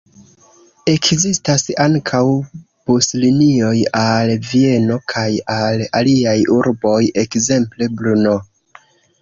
Ekzistas ankaŭ buslinioj al Vieno kaj al aliaj urboj, ekzemple Brno.